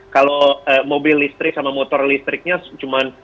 kalau mobil listrik sama motor listriknya cuma seratus seribu lima puluh ribu itu tidak mengaruh